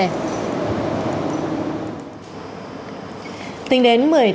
tính đến một mươi tám h chiều tối ngày hôm qua